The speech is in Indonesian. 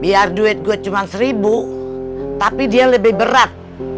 biar duit gue cuma seribu tapi dia lebih berat